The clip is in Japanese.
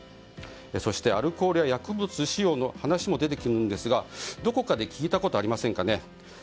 そして、アルコールや薬物使用の話も出てくるんですがどこかで聞いたことありませんかね。